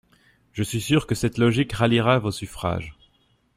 Je suis sûre que cette logique ralliera vos suffrages.